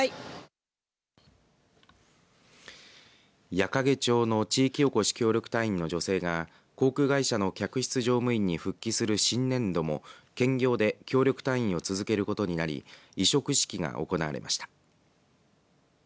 矢掛町の地域おこし協力隊員の女性が航空会社の客室乗務員に復帰する新年度も兼業で協力隊員を続けることになり委嘱式が行われました。